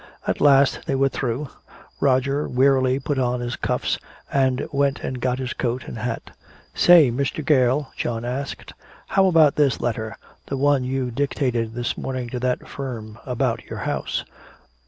At last they were through. Roger wearily put on his cuffs, and went and got his coat and hat. "Say, Mr. Gale," John asked him, "how about this letter the one you dictated this morning to that firm about your house?"